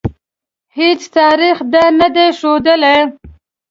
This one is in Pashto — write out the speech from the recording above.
هیڅ تاریخ دا نه ده ښودلې.